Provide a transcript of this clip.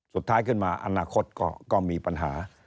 สุดท้ายขึ้นมาอนาคตก็มีปัญหา